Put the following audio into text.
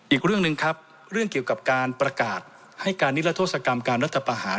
อีกเรื่องหนึ่งครับเรื่องเกี่ยวกับการประกาศให้การนิรัทธศกรรมการรัฐประหาร